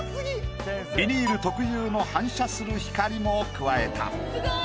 ビニール特有の反射する光も加えた。